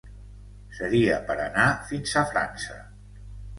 Seria per anar fins a França.